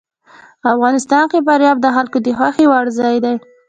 افغانستان کې فاریاب د خلکو د خوښې وړ ځای دی.